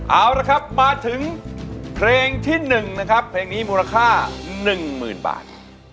เอาละครับมาถึงเพลงที่๑นะครับเพลงนี้มูลค่า๑๐๐๐บาท